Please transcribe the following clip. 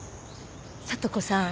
里子さん。